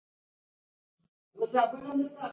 دلته لږ لرې بوټي او ونې ښکاره شوې.